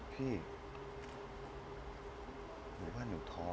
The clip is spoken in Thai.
นี่หรือว่าหนูท้อง